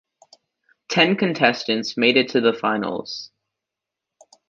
Ten contestants made it to the finals.